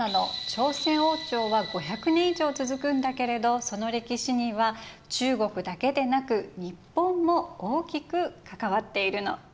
朝鮮王朝は５００年以上続くんだけれどその歴史には中国だけでなく日本も大きく関わっているの。